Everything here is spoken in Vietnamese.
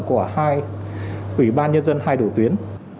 ủy ban nhân dân hai đổ tuyến